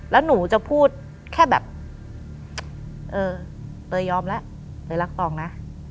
แล้วหนูจะพูดแค่แบบเออเตยยอมแล้วเตยรักตองนะ